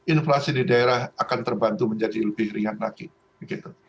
inflasi di daerah akan terbantu menjadi lebih ringan lagi begitu